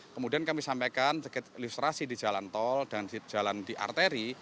kemudian kami sampaikan ilustrasi di jalan tol dan jalan di arteri